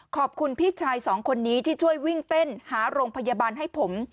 ขอบคุณพี่ชายสองคนนี้ที่ช่วยวิ่งเต้นหาโรงพยาบาลให้ผม